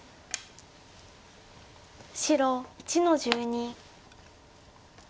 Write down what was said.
白１の十二。